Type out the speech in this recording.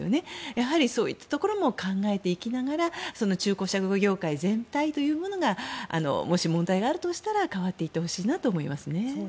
やはり、そういったところも考えていきながら中古車業界全体というものがもし、問題があるとすれば変わっていってほしいと思います。